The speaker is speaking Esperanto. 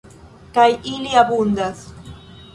Kaj ili abundas….